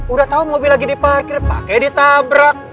udah tahu mobil lagi diparkir pakai ditabrak